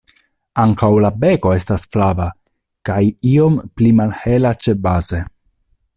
Ankaŭ la beko estas flava, kaj iom pli malhela ĉebaze.